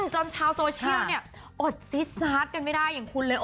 จนชาวโซเชียลเนี่ยอดซีดซาสกันไม่ได้อย่างคุณเลย